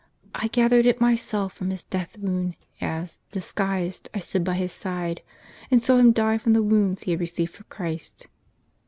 " I gathered it my self from his death wound, as, disguised, I stood by his side, and saw him die from the wounds he had received for Christ."